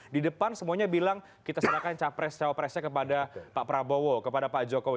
di depan semuanya bilang kita serahkan capres cawapresnya kepada pak prabowo kepada pak jokowi